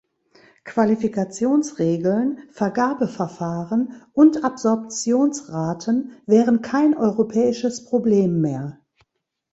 Qualifikationsregeln, Vergabeverfahren und Absorptionsraten wären kein europäisches Problem mehr.